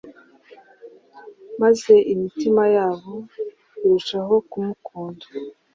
maze imitima yabo irushaho kumukunda.